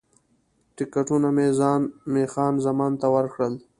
ټکټونه مې خان زمان ته ورکړل.